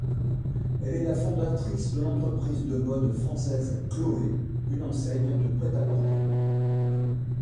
Elle est la fondatrice de l'entreprise de mode française Chloé, une enseigne de prêt-à-porter.